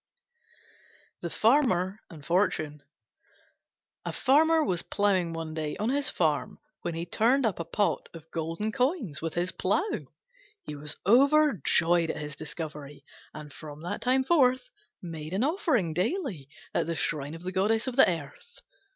THE FARMER AND FORTUNE A Farmer was ploughing one day on his farm when he turned up a pot of golden coins with his plough. He was overjoyed at his discovery, and from that time forth made an offering daily at the shrine of the Goddess of the Earth.